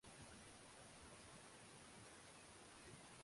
Nyerere alikuwa mpiga debe mkubwa wa Lugha ya kiwahili